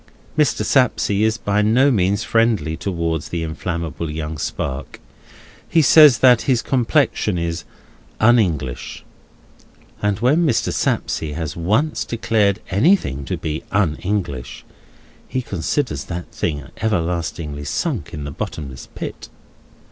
Mr. Sapsea is by no means friendly towards the inflammable young spark. He says that his complexion is "Un English." And when Mr. Sapsea has once declared anything to be Un English, he considers that thing everlastingly sunk in the bottomless pit.